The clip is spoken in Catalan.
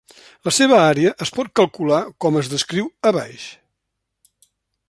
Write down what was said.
La seva àrea es pot calcular com es descriu a baix.